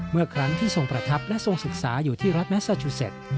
เมื่อครั้งที่ทรงประทับและทรงศึกษาอยู่ที่รัฐแมสซาชูเซ็ต